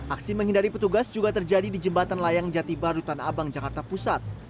aksi menghindari petugas juga terjadi di jembatan layang jatibah rutan abang jakarta pusat